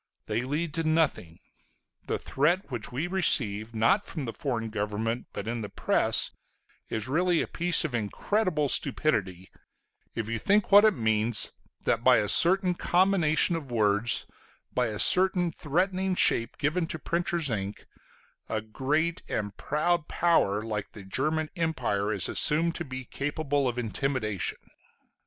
They lead to nothing. The threat which we receive, not from the foreign government, but in the press, is really a piece of incredible stupidity, if you think what it means that by a certain combination of words, by a certain threatening shape given to printer's ink, a great and proud power like the German Empire is assumed to be capable of intimidation.